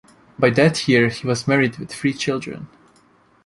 By that year he was married with three children.